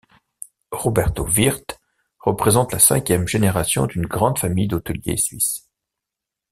Roberto Wirth, représente la cinquième génération d'une grande famille d'hôteliers suisses.